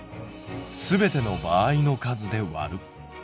すべての場合の数でわる。